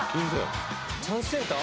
チャンスセンター？